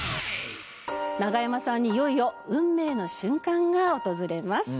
ナガヤマさんにいよいよ運命の瞬間が訪れます。